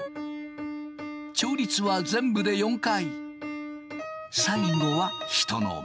調律は全部で４回。